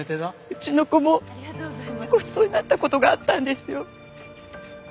うちの子もごちそうになった事があったんですよ。